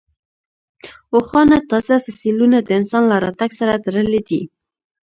اوښانو تازه فسیلونه د انسان له راتګ سره تړلي دي.